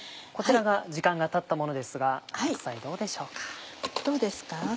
こちらが時間がたったものですが白菜どうでしょうか？